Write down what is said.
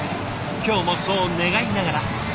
今日もそう願いながら。